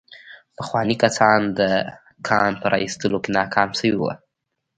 پخواني کسان د کان په را ايستلو کې ناکام شوي وو.